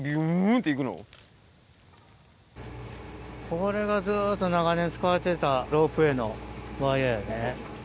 これがずっと長年使われてたロープウエーのワイヤやね。